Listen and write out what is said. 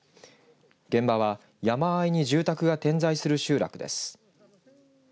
現場は山あいに住宅が点在する集落です。